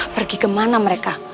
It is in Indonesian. pergi kemana mereka